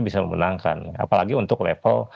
bisa memenangkan apalagi untuk level